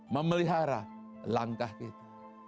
memelihara langkah kita